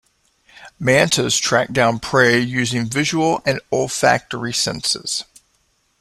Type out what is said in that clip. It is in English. Mantas track down prey using visual and olfactory senses.